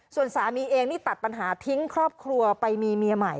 ส่วนสามีเองนี่ตัดปัญหาทิ้งครอบครัวไปมีเมียใหม่